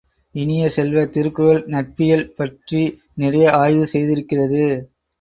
இனிய செல்வ, திருக்குறள் நட்பியல் பற்றி நிறைய ஆய்வு செய்திருக்கிறது.